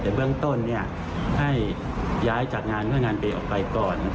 แต่เบื้องต้นให้ย้ายจากงานเพื่องานเปียออกไปก่อน